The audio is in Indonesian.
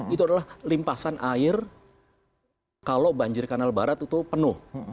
itu adalah limpasan air kalau banjir kanal barat itu penuh